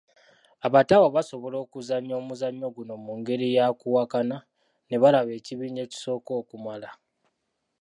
Abato abo basobola okuzannya omuzannyo guno mu ngeri ya kuwakana ne balaba ekibinja ekisooka okumala.